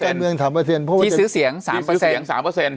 ที่ซื้อเสียงสามเปอร์เซ็นต์ที่ซื้อเสียงสามเปอร์เซ็นต์